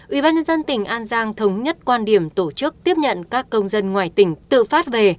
ubnd tỉnh an giang thống nhất quan điểm tổ chức tiếp nhận các công dân ngoài tỉnh tự phát về